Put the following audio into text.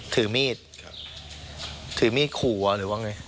ถือมีดถือมีดขัวหรือว่าไง